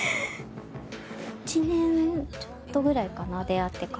１年ちょっとぐらいかな出会ってから。